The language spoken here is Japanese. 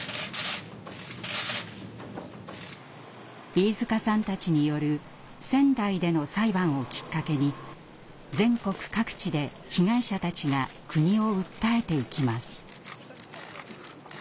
飯塚さんたちによる仙台での裁判をきっかけに全国各地で被害者たちが国を訴えていきます。